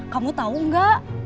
kamu tau gak